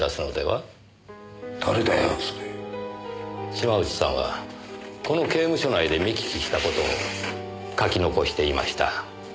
島内さんはこの刑務所内で見聞きした事を書き残していました。